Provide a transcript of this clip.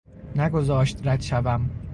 نگذاشت رد شوم